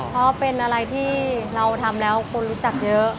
เพราะเป็นอะไรที่เราทำแล้วคนรู้จักเยอะ